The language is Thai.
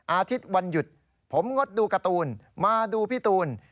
อาทิตย์วันหยุดผมงดดูการ์ตูนมาดูพี่ตูน